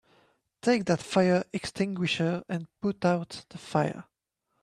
Take that fire extinguisher and put out the fire!